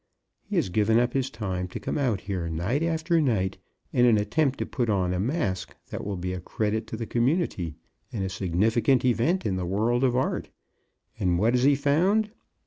He has given up his time to come out here, night after night, in an attempt to put on a masque that will be a credit to the community and a significant event in the world of art, and what has he found?